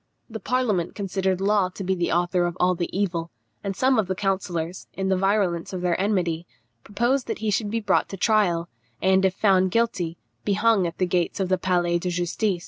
The parliament considered Law to be the author of all the evil, and some of the councillors, in the virulence of their enmity, proposed that he should be brought to trial, and, if found guilty, be hung at the gates of the Palais de Justice.